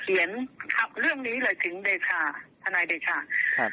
เพิ่งเขียนเรื่องนี้เลยถึงทนัยเดชา